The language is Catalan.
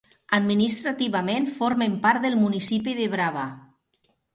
Administrativament formen part del municipi de Brava.